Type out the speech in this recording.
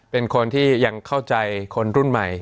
เป็นคนที่ยังเข้าใจคนรุ่นใหม่